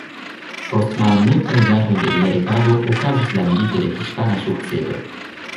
Post malmultaj jaroj de lia regado okazis la Milito de hispana sukcedo.